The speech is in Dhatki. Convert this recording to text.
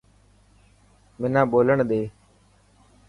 منا ٻولڻ ڏي.